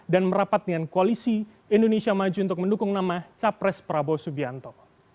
dan merapat dengan koalisi indonesia maju untuk mendukung nama capres prabowo subianto